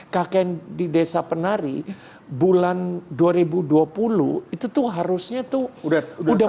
kakek di desa penari bulan dua ribu dua puluh itu tuh harusnya tuh udah